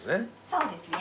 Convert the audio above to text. そうですね。